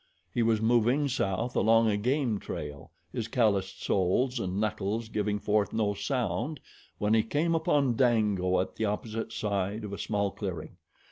He was moving south along a game trail, his calloused soles and knuckles giving forth no sound, when he came upon Dango at the opposite side of a small clearing.